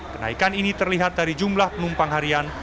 kenaikan ini terlihat dari jumlah penumpang harian